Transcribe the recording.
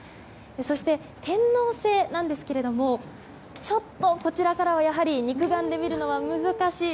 そして、天王星なんですけれどもちょっとこちらからは肉眼で見るのは難しい。